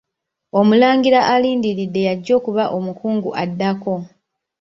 Omulangira alindiridde y'ajja okuba omukungu addako.